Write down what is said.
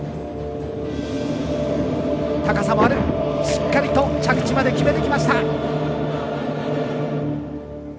しっかりと着地まで決めてきました。